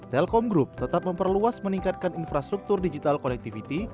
telkom group tetap memperluas meningkatkan infrastruktur digital connectivity